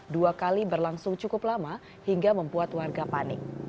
dua kali berlangsung cukup lama hingga membuat warga panik